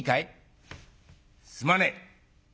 「すまねえ。